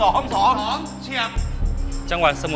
กรุงเทพหมดเลยครับ